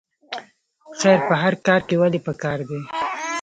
خیر په هر کار کې ولې پکار دی؟